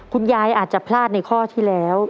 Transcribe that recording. คุณยายอาจจะพลาดในข้อที่แล้ว